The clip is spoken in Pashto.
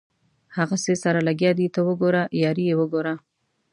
هغسې سره لګیا دي ته وګوره یاري یې وګوره.